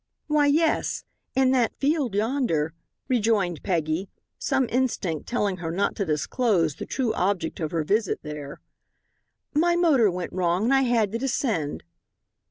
"Why, yes. In that field yonder," rejoined Peggy, some instinct telling her not to disclose the true object of her visit there; "my motor went wrong and I had to descend."